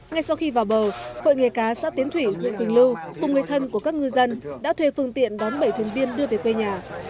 ngay sau khi vào bờ hội nghề cá xã tiến thủy huyện quỳnh lưu cùng người thân của các ngư dân đã thuê phương tiện đón bảy thuyền viên đưa về quê nhà